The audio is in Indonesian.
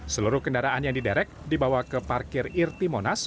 seluruh kendaraan yang diderek dibawa ke parkir irti monas